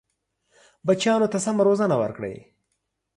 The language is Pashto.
بچیانو ته سمه روزنه ورکړئ.